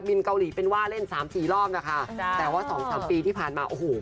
เกาหลีเป็นว่าเล่นสามสี่รอบนะคะจ้ะแต่ว่าสองสามปีที่ผ่านมาโอ้โห